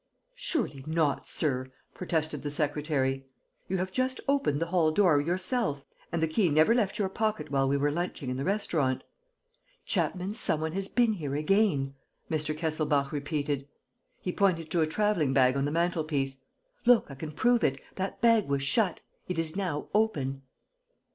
"Surely not, sir," protested the secretary. "You have just opened the hall door yourself; and the key never left your pocket while we were lunching in the restaurant." "Chapman, some one has been here again," Mr. Kesselbach repeated. He pointed to a traveling bag on the mantelpiece. "Look, I can prove it. That bag was shut. It is now open."